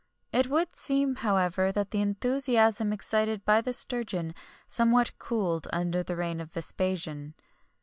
It would seem, however, that the enthusiasm excited by the sturgeon somewhat cooled under the reign of Vespasian.